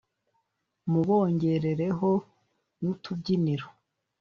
mubongerereho n’utubyiniriro